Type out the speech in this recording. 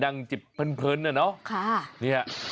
ดั่งจิบเพลินเเนอะ